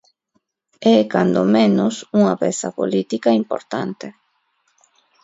É, cando menos, unha peza política importante.